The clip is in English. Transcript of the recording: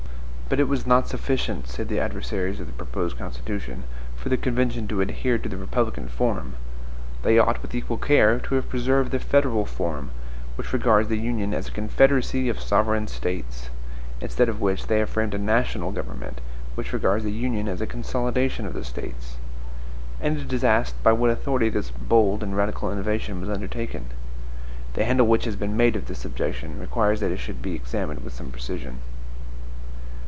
"But it was not sufficient," say the adversaries of the proposed Constitution, "for the convention to adhere to the republican form. They ought, with equal care, to have preserved the FEDERAL form, which regards the Union as a CONFEDERACY of sovereign states; instead of which, they have framed a NATIONAL government, which regards the Union as a CONSOLIDATION of the States." And it is asked by what authority this bold and radical innovation was undertaken? The handle which has been made of this objection requires that it should be examined with some precision.